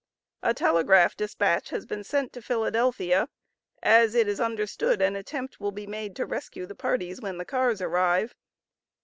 A telegraph despatch has been sent to Philadelphia, as it is understood an attempt will be made to rescue the parties, when the cars arrive.